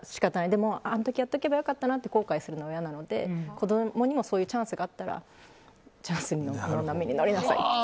でも、あの時やっておいたらよかったなって後悔するのは良くないので子供にもそういうチャンスがあったらチャンスの波に乗りなさいって。